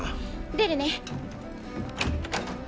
出るね。